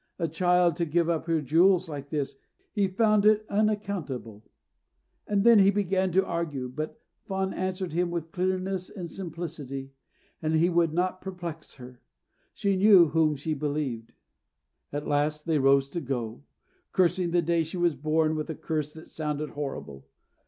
A child to give up her jewels like this he found it unaccountable. And then he began to argue, but Fawn answered him with clearness and simplicity, and he could not perplex her. She knew Whom she believed. At last they rose to go, cursing the day she was born with a curse that sounded horrible.